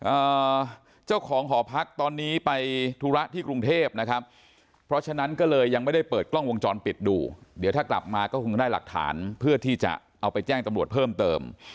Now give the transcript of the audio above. อ่าเจ้าของหอพักตอนนี้ไปธุระที่กรุงเทพนะครับเพราะฉะนั้นก็เลยยังไม่ได้เปิดกล้องวงจรปิดดูเดี๋ยวถ้ากลับมาก็คงได้หลักฐานเพื่อที่จะเอาไปแจ้งตำรวจเพิ่มเติม